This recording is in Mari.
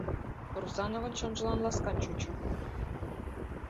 Русановын чонжылан ласкан чучо.